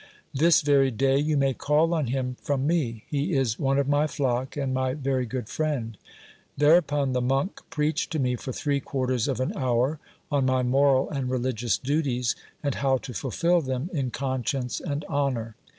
This very day you may call on him from me ; he is one of my flock, and my very good friend. Thereupon the monk preached to me for three quarters of an hour on my moral and religious duties, and how to fulfil them in conscience and honour.